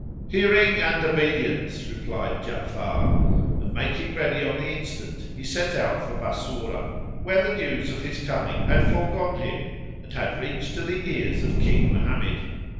"[FN#77] "Hearing and obedience," replied Ja'afar and, making ready on the instant, he set out for Bassorah where the news of his coming had foregone him and had reached to the ears of King Mohammed.